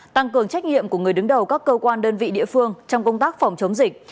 tăng cường trách nhiệm của người đứng đầu các cơ quan đơn vị địa phương trong công tác phòng chống dịch